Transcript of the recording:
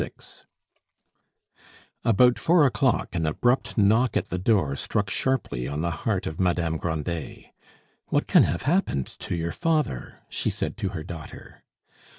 VI About four o'clock an abrupt knock at the door struck sharply on the heart of Madame Grandet. "What can have happened to your father?" she said to her daughter.